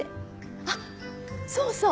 あっそうそう！